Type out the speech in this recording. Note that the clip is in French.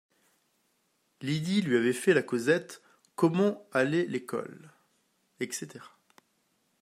Lydie lui avait fait la causette, comment allait l’école, etc.